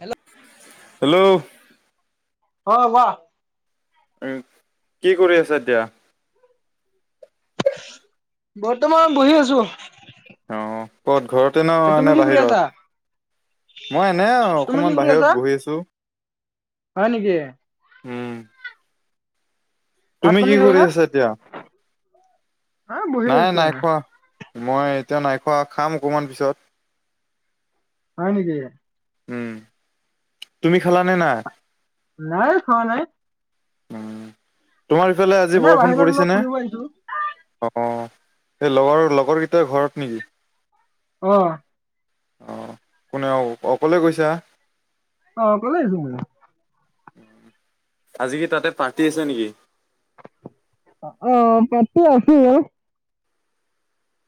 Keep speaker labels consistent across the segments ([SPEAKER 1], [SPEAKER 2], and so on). [SPEAKER 1] Hello.
[SPEAKER 2] Hello.
[SPEAKER 1] অ কোৱা।
[SPEAKER 2] উম কি কৰি আছা এতিয়া?
[SPEAKER 1] বৰ্তমান বহি আছো।
[SPEAKER 2] অ ক'ত ঘৰতে ন
[SPEAKER 1] তুমি
[SPEAKER 2] নে
[SPEAKER 1] কি কৰি আছা
[SPEAKER 2] বাহিৰত? মই এনে
[SPEAKER 1] তুমি কি
[SPEAKER 2] অকনমান
[SPEAKER 1] কৰি আছা
[SPEAKER 2] বাহিৰত বহি আছো।
[SPEAKER 1] হয় নেকি?
[SPEAKER 2] উম
[SPEAKER 1] ভাত
[SPEAKER 2] তুমি
[SPEAKER 1] পানী
[SPEAKER 2] কি কৰি
[SPEAKER 1] খালা
[SPEAKER 2] আছা এতিয়া?
[SPEAKER 1] হা বহি
[SPEAKER 2] নাই
[SPEAKER 1] আছো
[SPEAKER 2] নাই
[SPEAKER 1] এনে
[SPEAKER 2] খোৱা। মই এতিয়া নাইখোৱা খাম অকণমান পিছত।
[SPEAKER 1] হয় নেকি?
[SPEAKER 2] উম। তুমি খালানে নাই?
[SPEAKER 1] নাই খোৱা নাই।
[SPEAKER 2] উ তোমাৰ ইফালে আজি
[SPEAKER 1] এনে
[SPEAKER 2] বৰষুণ
[SPEAKER 1] বাহিৰত অলপ
[SPEAKER 2] পৰিছেনে?
[SPEAKER 1] ফুৰিব আহিছো
[SPEAKER 2] অ এই লগৰ লগৰকেইটাৰ ঘৰত নেকি?
[SPEAKER 1] অহ।
[SPEAKER 2] অ কোনে অ অকলে গৈছা?
[SPEAKER 1] অ অকলে আহিছো মই।
[SPEAKER 2] আজি কি তাতে পাৰ্টি আছিলে নেকি?
[SPEAKER 1] অ পাৰ্টি আছে আৰু।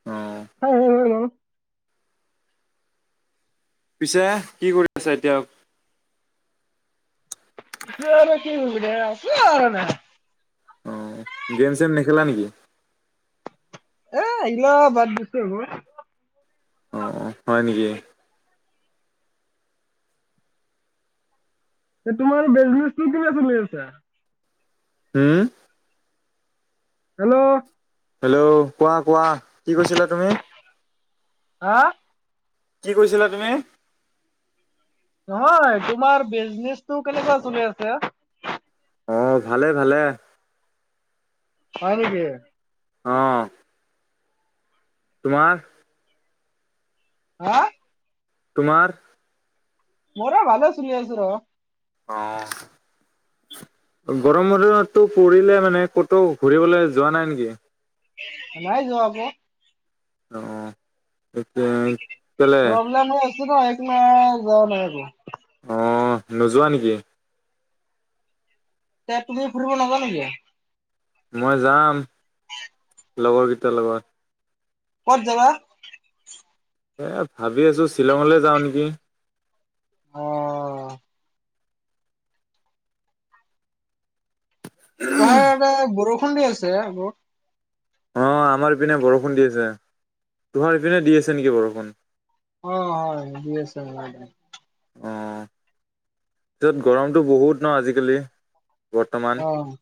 [SPEAKER 2] অ।
[SPEAKER 1] হয় ন।
[SPEAKER 2] পিছে কি কৰি আছা এতিয়া?
[SPEAKER 1] আছোঁ আৰু কি কৰিব দে আছো আৰু এনেই।
[SPEAKER 2] অ গেম চেম নেখেলা নেকি?
[SPEAKER 1] এ এৰিলোঁ বাদ দিছো এইবোৰ।
[SPEAKER 2] অ অ হয় নেকি?
[SPEAKER 1] এ তোমাৰ বিজনেচটো কেনে চলি আছে?
[SPEAKER 2] উম!
[SPEAKER 1] হেল্ল'।
[SPEAKER 2] হেল্ল' কোৱা কোৱা কি কৈছিলা তুমি?
[SPEAKER 1] হা!
[SPEAKER 2] কি কৈছিলা তুমি?
[SPEAKER 1] নহয় তোমাৰ বিজনেচটো কেনেকুৱা চলি আছে?
[SPEAKER 2] অ ভালে ভালে।
[SPEAKER 1] হয় নেকি?
[SPEAKER 2] অ। তোমাৰ?
[SPEAKER 1] হা!
[SPEAKER 2] তোমাৰ?
[SPEAKER 1] মোৰ ভালে চলি আছে ৰ।
[SPEAKER 2] অ। গৰম বন্ধতো পৰিলে মানে ক'তো ঘূৰিবলৈ যোৱা নাই নেকি?
[SPEAKER 1] নাই যোৱা আকৌ।
[SPEAKER 2] অহ। [unintelligible]
[SPEAKER 1] প্ৰব্লেম হৈ আছে ন সেইকাৰণে যোৱা নাই আৰু।
[SPEAKER 2] অ নোযোৱা নেকি?
[SPEAKER 1] এ তুমি ফুৰিব নোযোৱা নেকি?
[SPEAKER 2] মই যাম লগৰকেইটাৰ লগত।
[SPEAKER 1] কত যাবা?
[SPEAKER 2] এই ভাবি আছোঁ শ্বিলঙলৈ যাওঁ নেকি?
[SPEAKER 1] অ। তাৰ ইয়াতে বৰষুণ দি আছে আকৌ।
[SPEAKER 2] অঁ আমাৰ ইপিনে বৰষুণ দি আছে। তোমাৰ পিনে দি আছে নেকি বৰষুণ?
[SPEAKER 1] অ হয় দি আছে আমাৰ পিনে।
[SPEAKER 2] অঁ পিছত গৰমটো বহুত ন আজিকালি। বৰ্তমান
[SPEAKER 1] অ'।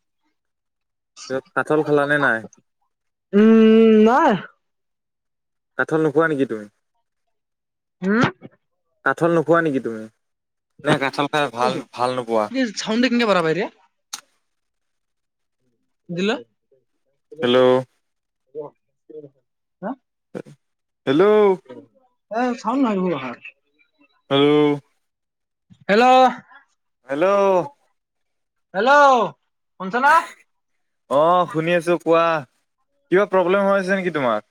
[SPEAKER 2] কাঠাল খালানে নাই?
[SPEAKER 1] উম নাই।
[SPEAKER 2] কাঠাল নোখোৱা নেকি তুমি?
[SPEAKER 1] হম্!
[SPEAKER 2] কাঠাল নোখোৱা নেকি তুমি? নে কাঠাল খাই ভাল
[SPEAKER 1] কৈছো
[SPEAKER 2] ভাল নোপোৱা।
[SPEAKER 1] [unintelligible] দিলা!
[SPEAKER 2] Hello hello.
[SPEAKER 1] এ চাউণ্ড নাই হোৱা।
[SPEAKER 2] আৰু
[SPEAKER 1] হেল্ল'।
[SPEAKER 2] হেল্ল'।
[SPEAKER 1] হেল্ল শুনিছ না?
[SPEAKER 2] অঁ, শুনি আছোঁ কোৱা কিবা প্ৰব্লেম হৈ আছে নেকি তোমাৰ?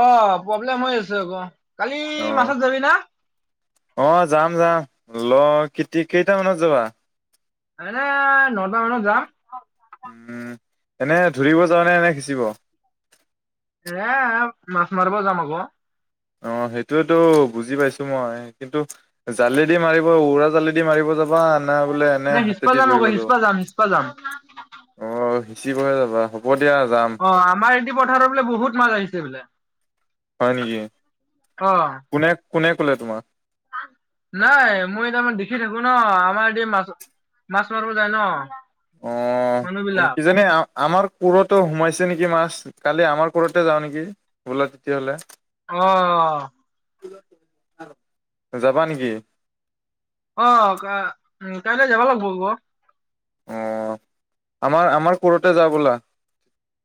[SPEAKER 1] অ, প্ৰব্লেম হৈ আছে আক। কালি
[SPEAKER 2] অ
[SPEAKER 1] মাছত যাবি না?
[SPEAKER 2] অ, যাম যাম। ল কেইটামানত যাবা?
[SPEAKER 1] এনে নটা মানত যাম।
[SPEAKER 2] উম, এনে ধৰিব যাওঁনে এনে সিঁচিব?
[SPEAKER 1] এ মাছ মাৰিব যাম আকৌ।
[SPEAKER 2] অ সেইটোৱেতো বুজি পাইছো মই কিন্তু জালি দি মাৰিব উৰা জালি দি মাৰিব যাবা না বোলে এনে
[SPEAKER 1] নাই সিচপা
[SPEAKER 2] হাতেদি
[SPEAKER 1] যাম
[SPEAKER 2] ধৰিব
[SPEAKER 1] আকৌ
[SPEAKER 2] যাব।
[SPEAKER 1] সিচপা যাম সিচপা যাম
[SPEAKER 2] অ সিঁচিবহে যাবা হ'ব দিয়া যাম।
[SPEAKER 1] অ আমাৰ এইটো পথাৰত বোলে বহুত মাছ আহিছে বোলে।
[SPEAKER 2] হয় নেকি?
[SPEAKER 1] অ
[SPEAKER 2] কোনে কোনে ক'লে তোমাক?
[SPEAKER 1] নাই মই তাৰ মানে দেখি থাকো ন আমাৰ এতিয়া মাছত মাছ মাৰিব যায় ন।
[SPEAKER 2] অ
[SPEAKER 1] মানুহ বিলাক
[SPEAKER 2] কিজানি আমাৰ পোৰতে সোমাইছে নেকি মাছ কালি আমাৰ পোৰতে যাওঁ নেকি বোলা তেতিয়াহ'লে।
[SPEAKER 1] অ।
[SPEAKER 2] যাবা নেকি?
[SPEAKER 1] অ কা-কাইলে যাব লাগিব।
[SPEAKER 2] অ, আমাৰ আমাৰ প'ৰতে যাওঁ ব'লা।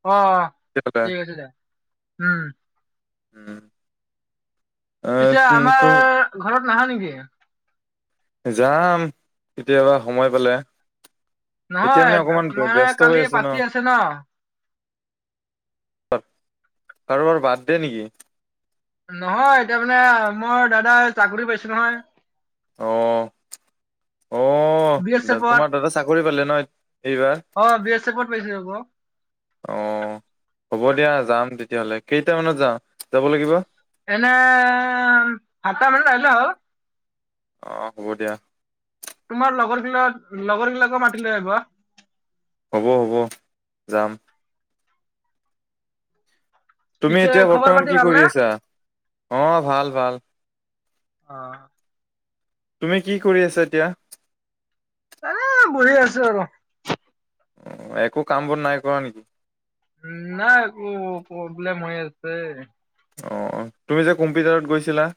[SPEAKER 1] অ,
[SPEAKER 2] তেতিয়াহ'লে।
[SPEAKER 1] ঠিক আছে দে উম।
[SPEAKER 2] উম।
[SPEAKER 1] পিছে
[SPEAKER 2] অ', তো
[SPEAKER 1] আমাৰ ঘৰত নাহা নেকি?
[SPEAKER 2] যাম কেতিয়াবা সময় পালে। এতিয়া
[SPEAKER 1] নহয়
[SPEAKER 2] মানে অকমান
[SPEAKER 1] মানে
[SPEAKER 2] ব্যস্ত হৈ
[SPEAKER 1] কালি
[SPEAKER 2] আছো ন।
[SPEAKER 1] পাতি আছে
[SPEAKER 2] কাৰোবাৰ বাৰ্থডে নেকি?
[SPEAKER 1] নহয় এতিয়া মানে মই দাদাই চাকৰি পাইছে নহয়।
[SPEAKER 2] অ, অ
[SPEAKER 1] বি এছ
[SPEAKER 2] দ
[SPEAKER 1] এফত
[SPEAKER 2] তোমাৰ দাদা চাকৰি পালে ন এইবাৰ?
[SPEAKER 1] অ বি এছ এফত পাইছে আক।
[SPEAKER 2] অঁ, হ'ব দিয়া যাম তেতিয়াহ'লে কেইটামানত যাওঁ যাব লাগিব?
[SPEAKER 1] এনে সাতটা মানত আহিলে হব।
[SPEAKER 2] অঁ হ'ব দিয়া।
[SPEAKER 1] তোমাৰ লগৰবিলাক লগৰবিলাকো মাতি লৈ আহিবা।
[SPEAKER 2] হ'ব হ'ব যাম। তুমি
[SPEAKER 1] পিছে
[SPEAKER 2] এতিয়া
[SPEAKER 1] খবৰ
[SPEAKER 2] বৰ্তমান
[SPEAKER 1] পাতি
[SPEAKER 2] কি কৰি
[SPEAKER 1] ভালনে?
[SPEAKER 2] আছা? অহ ভাল ভাল।
[SPEAKER 1] অ।
[SPEAKER 2] তুমি কি কৰি আছা এতিয়া?
[SPEAKER 1] এ বহি আছো আৰু।
[SPEAKER 2] অ, একো কাম বোৰ নাই কৰা নেকি?
[SPEAKER 1] নাই মোৰ প্ৰব্লেম হৈ আছে।
[SPEAKER 2] অ, তুমি যে কম্পিউটাৰত গৈছিলা।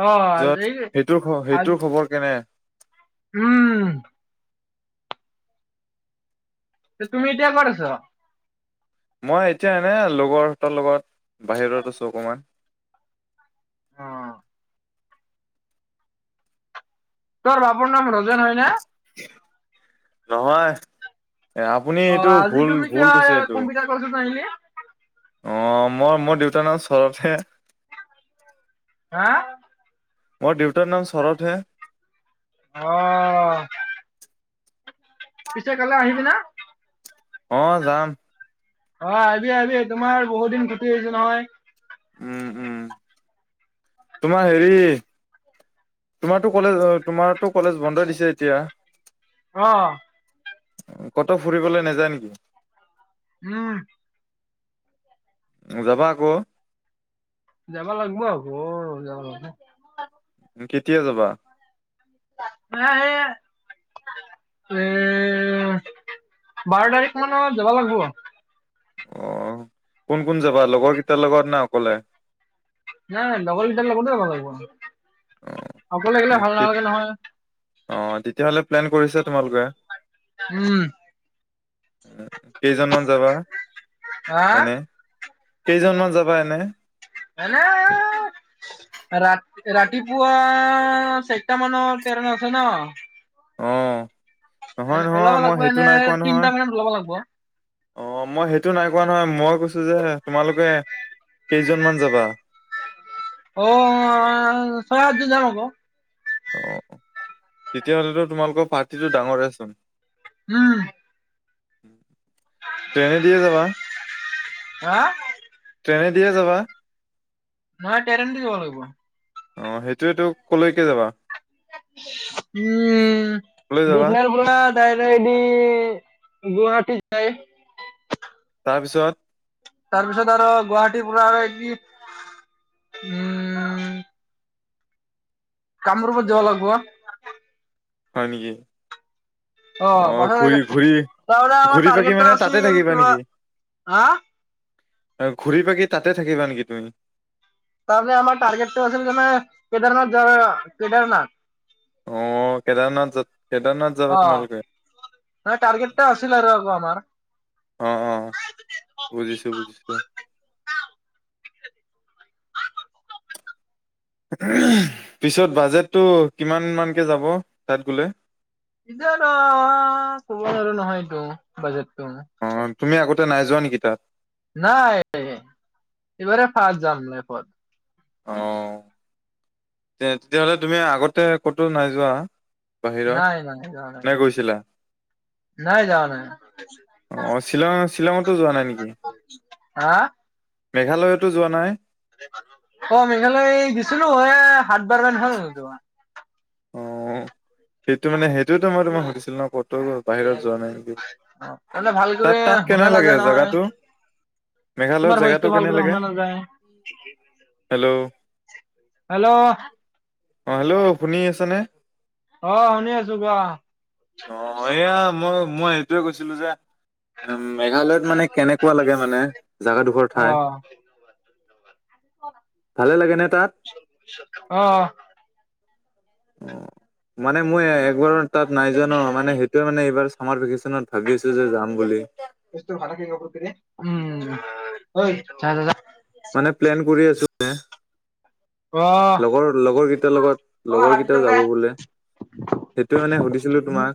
[SPEAKER 1] অ
[SPEAKER 2] যত
[SPEAKER 1] এই
[SPEAKER 2] সেইটোৰ খ
[SPEAKER 1] আজি
[SPEAKER 2] সেইটোৰ খবৰ কেনে?
[SPEAKER 1] উম। তে তুমি এতিয়া কত আচ?
[SPEAKER 2] মই এতিয়া এনে লগৰহঁতৰ লগত বাহিৰত আছোঁ অকণমান।
[SPEAKER 1] অ তোৰ বাপুৰ নাম ৰজন হয়নে?
[SPEAKER 2] নহয়। এ, আপুনি
[SPEAKER 1] অ
[SPEAKER 2] এইটো
[SPEAKER 1] আজি
[SPEAKER 2] ভুল
[SPEAKER 1] তুমি
[SPEAKER 2] - ভুল
[SPEAKER 1] কিয়
[SPEAKER 2] কৈছে এইটো।
[SPEAKER 1] কম্পিউটাৰ ক্লাছত নাহিলি
[SPEAKER 2] অঁ, মই মোৰ দেউতাৰ নাম চৰতহে।
[SPEAKER 1] হা?
[SPEAKER 2] মোৰ দেউতাৰ নাম শৰতহে।
[SPEAKER 1] অ। পিছে কাইলৈ আহিবি না?
[SPEAKER 2] অঁ যাম।
[SPEAKER 1] অ আহিবি আহিবি তোমাৰ বহুত দিন খতি হৈছে নহয়।
[SPEAKER 2] উম উম। তোমাৰ হেৰি তোমাৰতো কলেজ তোমাৰো কলেজ বন্ধই দিছে এতিয়া।
[SPEAKER 1] অ।
[SPEAKER 2] কত ফুৰিবলৈ নাযায় নেকি?
[SPEAKER 1] উম।
[SPEAKER 2] যাবা আকৌ।
[SPEAKER 1] যাব লাগিব আকৌ যাব লাগে।
[SPEAKER 2] উম কেতিয়া যাবা?
[SPEAKER 1] পাট্টা এ, এ বাৰ তাৰিখ মানৰ যাব লাগিব।
[SPEAKER 2] অ কোন কোন যাবা লগৰ কেইটাৰ লগৰ না অকলে?
[SPEAKER 1] নাই লগৰ কিটাৰ লগতে যাব লাগিব,
[SPEAKER 2] অ',
[SPEAKER 1] অকলে আহিলে ভাল নালাগে নহয়।
[SPEAKER 2] অ তেতিয়াহলে প্লেন কৰিছে তোমালোকে?
[SPEAKER 1] উম।
[SPEAKER 2] কেইজনমান যাবা?
[SPEAKER 1] হা
[SPEAKER 2] এনে, কেইজনমান যাবা এনে?
[SPEAKER 1] এনে ৰা -ৰাতিপুৱা চাৰিটামান তেৰ ন আছে ন?
[SPEAKER 2] অ, নহয়
[SPEAKER 1] এনে ওলাব
[SPEAKER 2] নহয় মই
[SPEAKER 1] লাগিব
[SPEAKER 2] সেইটো
[SPEAKER 1] এনে
[SPEAKER 2] নাই কোৱা
[SPEAKER 1] তিনটা
[SPEAKER 2] নহয়।
[SPEAKER 1] মানত ওলাব লাগিব
[SPEAKER 2] অ মই সেইটো নাই কোৱা নহয়, মই কৈছো যে তোমালোকে কেইজনমান যাবা?
[SPEAKER 1] অ আ ছয় - সাতজন মান হব।
[SPEAKER 2] অ তেতিয়াহ'লেতো তোমালোকৰ পাৰ্টিটো ডাঙৰেচোন।
[SPEAKER 1] উম।
[SPEAKER 2] ট্ৰেনে দিয়ে যাবা।
[SPEAKER 1] হা।
[SPEAKER 2] ট্ৰেনে দিয়ে যাবা।
[SPEAKER 1] নহয় ট্ৰেইন দি যাব লাগিব।
[SPEAKER 2] অ সেইটোয়োটো কলৈকে যাবা।
[SPEAKER 1] উম
[SPEAKER 2] কলৈ যাবা?
[SPEAKER 1] বিঘনপুৰত দাইৰেক্ট দি গুৱাহাটী যায়।
[SPEAKER 2] তাৰপিছত
[SPEAKER 1] তাৰ পিছত আৰু গুৱাহাটীৰ পৰা আৰু এ উম। কামৰূপত যাবা লাগিব।
[SPEAKER 2] হয় নেকি?
[SPEAKER 1] অ
[SPEAKER 2] ঘূৰি ঘূৰি
[SPEAKER 1] তাৰপৰা আমাৰ
[SPEAKER 2] ঘূৰি পাকি
[SPEAKER 1] টাৰ্গেট
[SPEAKER 2] মানে তাতে
[SPEAKER 1] আছিল
[SPEAKER 2] থাকিবা
[SPEAKER 1] কিবা
[SPEAKER 2] নেকি?
[SPEAKER 1] হা
[SPEAKER 2] আৰু ঘূৰি পাকি তাতে থাকিবা নেকি তুমি?
[SPEAKER 1] তাৰে আমাৰ টাৰ্গেট টো আছিল যে কেদাৰনাথ কেদাৰনাথ
[SPEAKER 2] অ কেদাৰনাথ যত কেদাৰনাথ যাবা তোমালোকে।
[SPEAKER 1] নাই টাৰ্গেট টো আছিল আৰু আমাৰ
[SPEAKER 2] অ অ বুজিছো বুজিছোঁ। পিছত বাজেটটো কিমান মানকে যাব তাত গ'লে।
[SPEAKER 1] কব পৰা নাযায় নহয়টো বাজেটটো।
[SPEAKER 2] অ তুমি আগতে নাই যোৱা নেকি তাত?
[SPEAKER 1] নাই এইবাৰে ফাৰ্ষ্ট যাম লাইফত।
[SPEAKER 2] অ তে, তেতিয়াহ'লে তুমি আগতে ক'তো নাই যোৱা? বাহিৰত?
[SPEAKER 1] নাই নাই যোৱা নাই
[SPEAKER 2] নে গৈছিলা?
[SPEAKER 1] নাই যাৱা নাই।
[SPEAKER 2] অঁ শ্বিলং, শ্বিলঙতো যোৱা নাই নেকি?
[SPEAKER 1] হা
[SPEAKER 2] মেঘালয়তো যোৱা নাই?
[SPEAKER 1] অ মেঘালয় এই গৈছিলোঁ হয় সাত বাৰমান হ'ল যোৱা।
[SPEAKER 2] অ সেইটো মানে সেইটোতো মই তোমাক সুধিছিলো ন কট। বাহিৰত যোৱা নাই নেকি
[SPEAKER 1] অ' তাৰমানে ভাল কৰি
[SPEAKER 2] তাত তাত কেনে
[SPEAKER 1] শুনা
[SPEAKER 2] লাগে
[SPEAKER 1] নাযায় নহয়
[SPEAKER 2] জেগাটো। মেঘালয়ত
[SPEAKER 1] তোমাৰ ভইচটো
[SPEAKER 2] জেগাটো
[SPEAKER 1] ভাল
[SPEAKER 2] কেনে
[SPEAKER 1] কৰি
[SPEAKER 2] লাগে
[SPEAKER 1] শুনা নাযায়
[SPEAKER 2] হেল্ল'।
[SPEAKER 1] হেল্ল'।
[SPEAKER 2] অ হেল্ল' শুনি আছে নে?
[SPEAKER 1] অ শুনি আছো কোৱা।
[SPEAKER 2] অয়া মই মই সেইটোয়ে কৈছিলো যে। উ মেঘালয়ত মানে কেনেকুৱা লাগে মানে জেগাডোখৰ
[SPEAKER 1] অ
[SPEAKER 2] ঠাই। ভালে লাগেনে তাত?
[SPEAKER 1] অহ
[SPEAKER 2] অঁ মানে মই একবাৰো তাত নাই ন' মানে সেইটোৱে মানে এইবাৰ চামাৰ ভেকেচনত ভাবি আছো যে যাম বুলি।
[SPEAKER 1] [unintelligible] উম, অই, জা জা জা।
[SPEAKER 2] মানে প্লেন কৰি আছো এ।
[SPEAKER 1] অ
[SPEAKER 2] লগৰ, লগৰ কেইটাৰ লগত,
[SPEAKER 1] অ
[SPEAKER 2] লগৰ কেইটাও যাব বোলে। সেইটোৱে মানে সুধিছিলো তোমাক।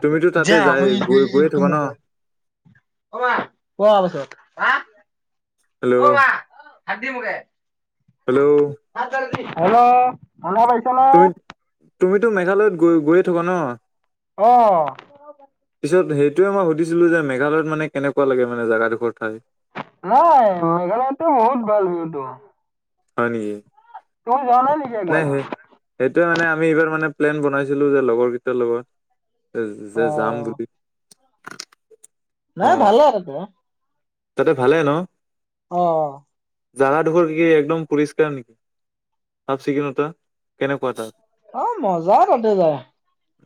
[SPEAKER 2] তুমিতো তাতে
[SPEAKER 1] যা
[SPEAKER 2] যাই
[SPEAKER 1] মই
[SPEAKER 2] গৈ গৈয়ে
[SPEAKER 1] এইটো
[SPEAKER 2] থকা ন
[SPEAKER 1] মোবাইল। অ মা, কোৱা পাছত, মা। অ
[SPEAKER 2] হেল্ল'
[SPEAKER 1] হাত দি মুগে।
[SPEAKER 2] হেল্ল'
[SPEAKER 1] হেল্লো' শুনা পা-
[SPEAKER 2] তুমি, তুমিতো মেঘালয়ত গৈ গৈয়ে থকা ন'?
[SPEAKER 1] অ! [unintelligible]
[SPEAKER 2] পিছত সেইটোৱে মই সুধিছিলোঁ যে মেঘালয়ত মানে কেনেকুৱা লাগে মানে জাগাডোখৰ ঠাই?
[SPEAKER 1] নাই মেঘালয়তো বহুত ভাল ভিউটো।
[SPEAKER 2] হয় নেকি?
[SPEAKER 1] তুমি যোৱা নেকি
[SPEAKER 2] নাই
[SPEAKER 1] একবাৰো?
[SPEAKER 2] সেই সেইটোৱে মানে আমি এইবাৰ মানে প্লেন বনাইছিলো যে লগৰ কেইটাৰ লগত যে
[SPEAKER 1] অ
[SPEAKER 2] -যে যাম বুলি। অ
[SPEAKER 1] নাই ভাল আৰু তোমাৰ।
[SPEAKER 2] তাতে ভালে ন?
[SPEAKER 1] অ।
[SPEAKER 2] জাগাডোখৰ কি কি একদম পৰিষ্কাৰ নেকি? চাফ-চিকুনতা কেনেকুৱা তাত?
[SPEAKER 1] অ' মজা তাতে যায়।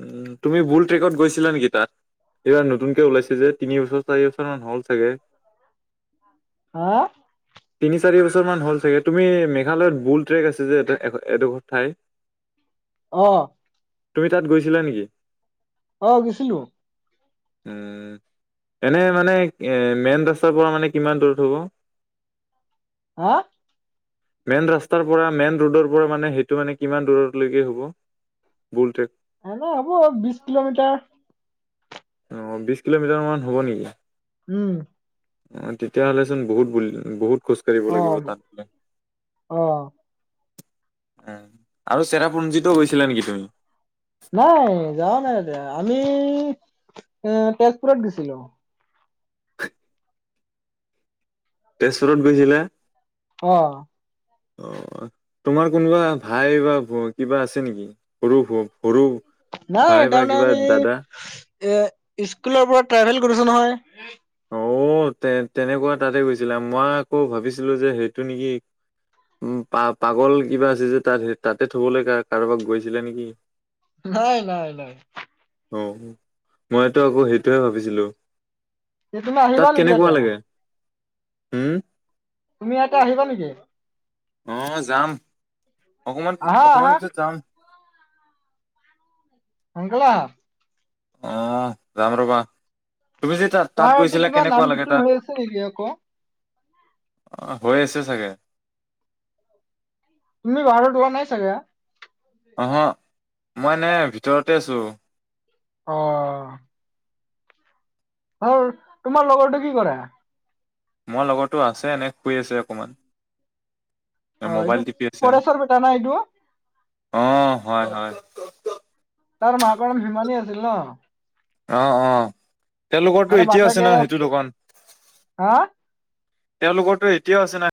[SPEAKER 2] উ, ' তুমি বুল ট্ৰেকত গৈছিলা নেকি তাত? এইবাৰ নতুনকে ওলাইছে যে, তিন বছৰ, চাৰি বছৰ মান হ'ল চাগে।
[SPEAKER 1] হা?
[SPEAKER 2] তিনি - চাৰি বছৰমান হ'ল চাগে। তুমি মেঘালয়ত বুল ট্ৰেক আছে যে এটা এ এডোখৰ ঠাই। [inaudible]
[SPEAKER 1] অ।
[SPEAKER 2] তুমি তাত গৈছিলা নিকি?
[SPEAKER 1] অ গৈছিলো।
[SPEAKER 2] উম এনে মানে এ মেইন ৰাস তাৰ পৰা মানে কিমান দূৰত হ'ব?
[SPEAKER 1] হা?
[SPEAKER 2] মেইন ৰাস্তাৰ পৰা মেইন ৰোডৰ পৰা মানে সেইটো মানে কিমান দূৰলৈকে হ'ব বুলট্ৰেক?
[SPEAKER 1] হ নাই হব বিশ কিলোমিটাৰ।
[SPEAKER 2] অ, বিশ কিলোমিটাৰ মান হ'ব নেকি?
[SPEAKER 1] উম।
[SPEAKER 2] অ, তেতিয়াহ'লেচোন বহুত বুল, বহুত খোজ কাঢ়িব লাগিব
[SPEAKER 1] অ',
[SPEAKER 2] তাত গ'লে।
[SPEAKER 1] অ',
[SPEAKER 2] এ, আৰু চেৰাপুঞ্জীটো গৈছিলা নেকি তুমি?
[SPEAKER 1] নাই যাৱা নাই এতিয়া আমি এ তেজপুৰত গৈছিলো।
[SPEAKER 2] তেজপুৰত গৈছিলে?
[SPEAKER 1] অ।
[SPEAKER 2] অ। অ, তোমাৰ কোনোবা ভাই বা ভ, কিবা আছে নেকি সৰু ভ সৰু
[SPEAKER 1] নাই
[SPEAKER 2] ভাই বা
[SPEAKER 1] তাৰমানে
[SPEAKER 2] কিবা
[SPEAKER 1] আমি
[SPEAKER 2] দাদা
[SPEAKER 1] এ স্কুলৰ পৰা ট্ৰেভেল কৰিছো নহয়।
[SPEAKER 2] অ তে তেনেকুৱা তাতে গৈছিলে মই আকৌ ভাবিছিলো যে সেইটো নেকি উম পা পাগল কিবা আছে যে তাত তাতে থবলৈ কাৰোবাক গৈছিলে নেকি?
[SPEAKER 1] নাই, নাই, নাই।
[SPEAKER 2] অহঁ, মইতো আকৌ সেইটোহে ভাবিছিলোঁ।
[SPEAKER 1] এ তুমি আহিবা
[SPEAKER 2] তাত
[SPEAKER 1] নেকি
[SPEAKER 2] কেনেকুৱা
[SPEAKER 1] ইয়াতে?
[SPEAKER 2] লাগে, হু'ম।
[SPEAKER 1] তুমি ইয়াতে আহিবা নেকি?
[SPEAKER 2] অ যাম, অকমান
[SPEAKER 1] আহা,
[SPEAKER 2] - অকমান
[SPEAKER 1] আহা
[SPEAKER 2] পিছত যাম।
[SPEAKER 1] সেনকালে অহা।
[SPEAKER 2] অ যাম ৰবা, তুমি যে তাত তাত
[SPEAKER 1] তহাৰতিতে
[SPEAKER 2] গৈছিলা
[SPEAKER 1] কিবা
[SPEAKER 2] কেনেকুৱা
[SPEAKER 1] নাম
[SPEAKER 2] লাগে
[SPEAKER 1] কীৰ্তন
[SPEAKER 2] তাত
[SPEAKER 1] হৈ আছে নেকি আকৌ?
[SPEAKER 2] অ হৈ আছে চাগে।
[SPEAKER 1] তুমি বাহত ওলোৱা নাই চাগে?
[SPEAKER 2] অহ, মই এনে ভিতৰতে আছোঁ।
[SPEAKER 1] অ'হ। সৌ তোমাৰ লগৰটো কি কৰে।
[SPEAKER 2] মোৰ লগৰতো আছে এনে শুই আছে অকণমান।
[SPEAKER 1] অ এইটো
[SPEAKER 2] আছে
[SPEAKER 1] পৰেশৰ বেটা না এইটো।
[SPEAKER 2] অ, হয়, হয়।
[SPEAKER 1] তাৰ মাকৰ ভিমানী আছিল ন।
[SPEAKER 2] অ, অ
[SPEAKER 1] আৰু
[SPEAKER 2] তেওঁলোকৰটো এতিয়া আছে
[SPEAKER 1] বাপেকে
[SPEAKER 2] ন সেইটো দোকান।
[SPEAKER 1] হা
[SPEAKER 2] তেওঁলোকৰ তো এতিয়াও আছে না।